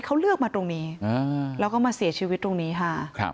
เขาเลือกมาตรงนี้แล้วก็มาเสียชีวิตตรงนี้ค่ะ